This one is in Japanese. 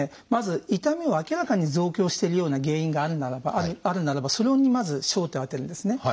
まず痛みを明らかに増強してるような原因があるならばそれにまず焦点を当てるんですね。